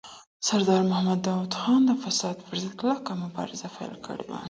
سردار محمد داود خان د فساد پر ضد کلکه مبارزه پیل کړې وه.